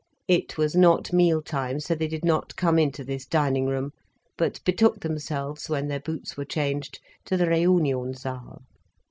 It was not meal time, so they did not come into this dining room, but betook themselves, when their boots were changed, to the _Reunionsaal.